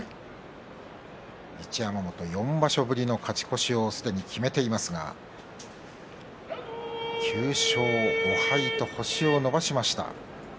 山本４場所ぶりの勝ち越しをすでに決めていますが９勝５敗と星を伸ばしました。